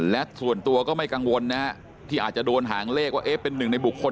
และส่วนตัวก็ไม่กังวลนะฮะที่อาจจะโดนหางเลขว่าเป็นหนึ่งในบุคคล